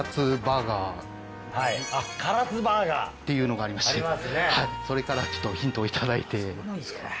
で唐津バーガーっていうのがありましてそれからちょっとヒントを頂いて。